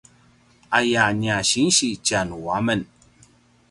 aya nia sinsi tjanuamen